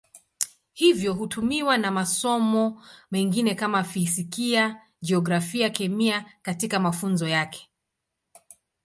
Hivyo hutumiwa na masomo mengine kama Fizikia, Jiografia, Kemia katika mafunzo yake.